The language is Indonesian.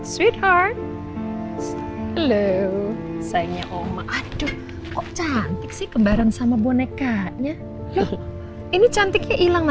sweetheart hello sayangnya oma aduh kok cantik sih kebaran sama bonekanya ini cantiknya ilang